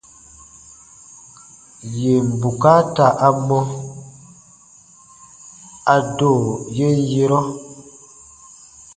Yèn bukaata a mɔ, a do yen yerɔ.